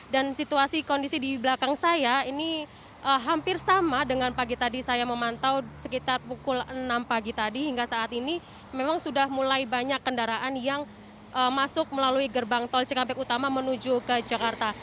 dan situasi kondisi di belakang saya ini hampir sama dengan pagi tadi saya memantau sekitar pukul enam pagi tadi hingga saat ini memang sudah mulai banyak kendaraan yang masuk melalui gerbang tol cikampek utama menuju ke jakarta